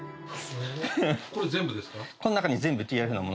これ全部ですか？